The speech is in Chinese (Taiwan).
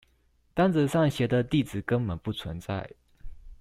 單子上寫的地址根本不存在